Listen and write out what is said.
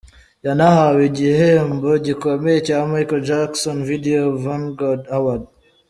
Yanahawe igihembo gikomeye cya Michael Jackson Video Vanguard Award.